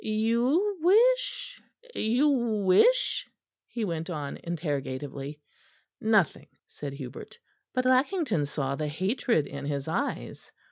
You wish, you wish ?" he went on interrogatively. "Nothing," said Hubert; but Lackington saw the hatred in his eyes.